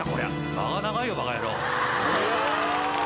間が長いよバカヤロー。